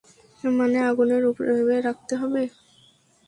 মানে আগুনের উপর এভাবে রাখতে হবে?